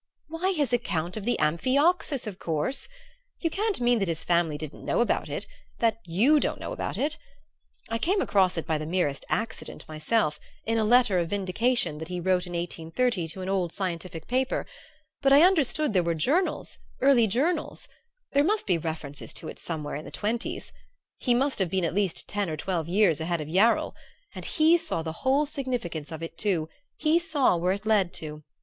"Why, his account of the amphioxus, of course! You can't mean that his family didn't know about it that you don't know about it? I came across it by the merest accident myself, in a letter of vindication that he wrote in 1830 to an old scientific paper; but I understood there were journals early journals; there must be references to it somewhere in the 'twenties. He must have been at least ten or twelve years ahead of Yarrell; and he saw the whole significance of it, too he saw where it led to.